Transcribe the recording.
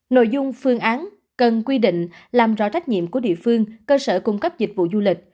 nội dung phương án cần quy định làm rõ trách nhiệm của địa phương cơ sở cung cấp dịch vụ du lịch